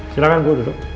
silahkan gue duduk